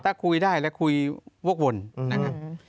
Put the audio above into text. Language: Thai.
ถ้าคุยได้แล้วคุยวกวนนะครับ